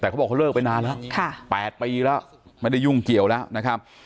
แต่เขาบอกเขาเลิกไปนานแล้ว๘ปีแล้วไม่ได้ยุ่งเกี่ยวแล้วนะครับ